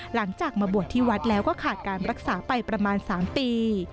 หลังจากมาบวชที่วัดแล้วก็ขาดการรักษาไปประมาณ๓ปี